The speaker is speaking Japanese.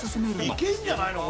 「いけるんじゃないの？